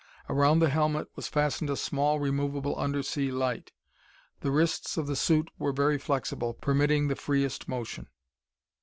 Around the helmet was fastened a small removable undersea light. The wrists of the suit were very flexible, permitting the freest motion.